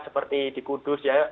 seperti di kudus ya